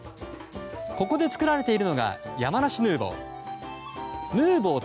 ここで造られているのが山梨ヌーボー。